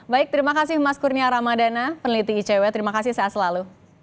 baik terima kasih mas kurnia ramadana peneliti icw terima kasih sehat selalu